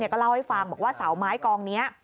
ก็เล่าให้ฟังบอกว่าเสาไม้กองนี้